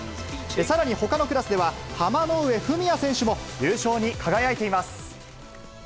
さらにほかのクラスでは、濱ノ上文哉選手も優勝に輝いています。